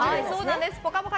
「ぽかぽか」